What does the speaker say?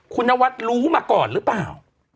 คุณนวัดรู้มาก่อนหรือเปล่า